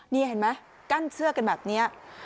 นี่เห็นไหมกั้นเสื้อกันแบบนี้